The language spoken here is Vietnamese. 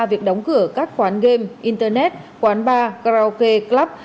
việc đóng cửa các quán game internet quán bar karaoke club